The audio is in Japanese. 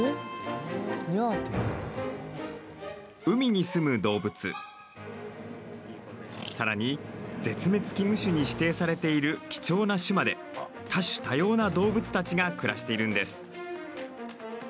海に住む動物さらに絶滅危惧種に指定されている貴重な種まで多種多様な動物たちが暮らしているんです。